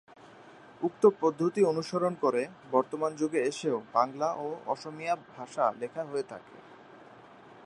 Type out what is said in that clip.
উক্ত পদ্ধতি অনুসরণ করে বর্তমান যুগে এসেও বাংলা ও অসমীয়া ভাষা লেখা হয়ে থাকে।